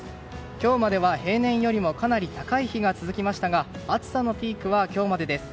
今日までは平年よりかなり高い日が続きましたが暑さのピークは今日までです。